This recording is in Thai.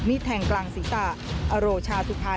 มีความรู้สึกว่า